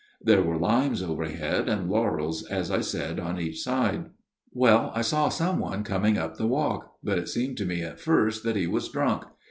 There were limes overhead, and laurels, as I said, on each side. " Well I saw some one coming up the walk ; but it seemed to me at first that he was drunk.